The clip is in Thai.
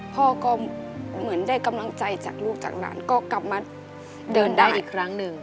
พ่อก็เหมือนได้กำลังใจจากลูกจากหลานก็กลับมาเดินได้อีกครั้งหนึ่ง